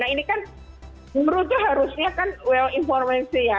nah ini kan menurutnya harusnya kan well informasi ya